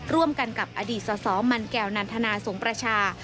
ร่วมกันกับอดีตสสมันแก้วนันทนาสงประชา